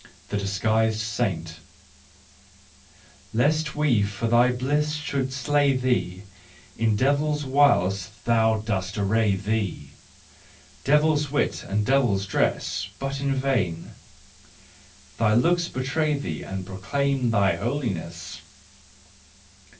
The Disguised Saint . Lest we for thy bliss should slay thee, In devil's wiles thou dost array thee, Devil's wit and devil's dress. But in vain ! Thy looks betray thee And proclaim thy holiness.